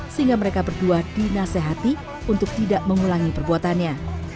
sehingga mereka berdua dinasehati untuk tidak mengulangi perbuatannya